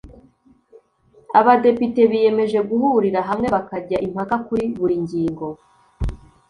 abadepite biyemeje guhurira hamwe bakajya impaka kuri buri ngingo